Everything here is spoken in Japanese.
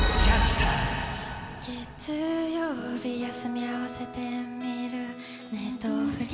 「月曜日休み合わせて見るネトフリ」